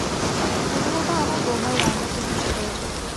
তুমিও তো আমার বৌমার রান্নার প্রশংসা করেছ।